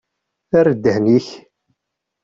Err ddhen-ik!